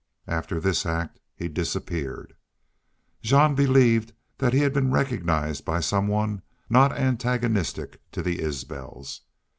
After this act he disappeared. Jean believed that he had been recognized by some one not antagonistic to the Isbels.